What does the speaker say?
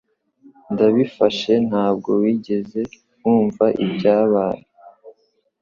Ndabifashe ntabwo wigeze wumva ibyabaye